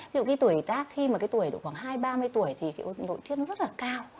ví dụ cái tuổi tác khi mà cái tuổi độ khoảng hai ba mươi tuổi thì cái nội thuyết nó rất là cao